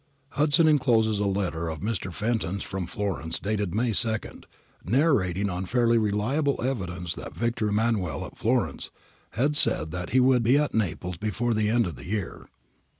] Hudson encloses a letter of Mr. Fenton's from Florence dated May 2, narrating on fairly reliable evidence that Victor Emmanuel at Florence had ' said that he would be at Naples before the end of the year.'